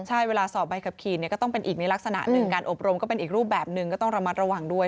ใช่เวลาสอบใบขับขี่เนี่ยก็ต้องเป็นอีกในลักษณะหนึ่งการอบรมก็เป็นอีกรูปแบบหนึ่งก็ต้องระมัดระวังด้วย